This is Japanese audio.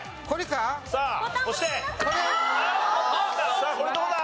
さあこれどうだ？